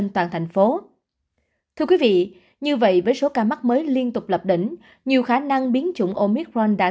qua thành phố như vậy với số ca mắc mới liên tục lập đỉnh nhiều khả năng biến chủng omicron đã